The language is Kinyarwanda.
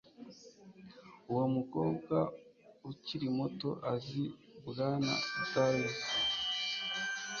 Uwo mukobwa ukiri muto azi Bwana Darcy